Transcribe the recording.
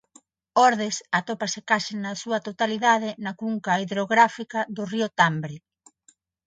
Ordes atópase case na súa totalidade na cunca hidrográfica do río Tambre.